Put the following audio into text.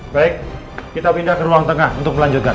baik kita pindah ke ruang tengah untuk melanjutkan